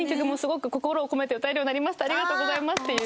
ありがとうございますっていう。